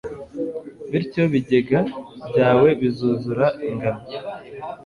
bityo ibigega byawe bizuzura ingano